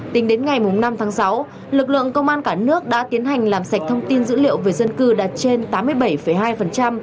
tính đến ngày năm tháng sáu lực lượng công an cả nước đã tiến hành làm sạch thông tin dữ liệu về dân cư đạt trên tám mươi bảy hai